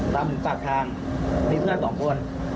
ตามถึงปากทางมีเพื่อน๒คน